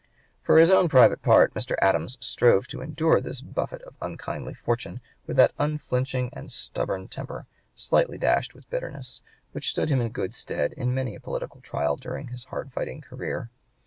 For his own private part Mr. Adams strove to endure this buffet (p. 118) of unkindly fortune with that unflinching and stubborn temper, slightly dashed with bitterness, which stood him in good stead in many a political trial during his hard fighting career.